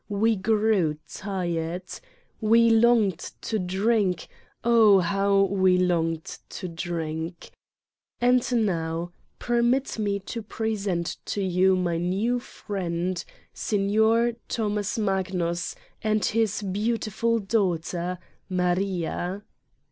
We grew tired. We longed to drink, oh, how we longed to drink! And now, permit me 16 Satan's Diary to present to you my new friend, Signer Thomas Magnus and his beautiful daughter, Maria.